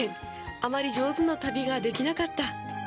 あまり上手な旅ができなかった。